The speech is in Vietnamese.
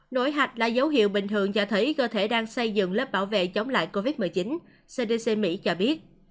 nổi hạch là dấu hiệu bình thường cho thấy cơ thể đang xây dựng lớp bảo vệ chống lại covid một mươi chín cdc mỹ cho biết